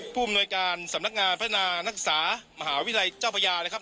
ผู้อำนวยการสำนักงานพัฒนานักศึกษามหาวิทยาลัยเจ้าพญานะครับ